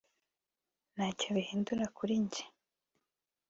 Ntacyo bihindura kuri njye